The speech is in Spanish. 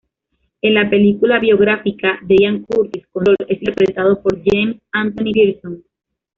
En la película biográfica de Ian Curtis, "Control", es interpretado por James Anthony Pearson.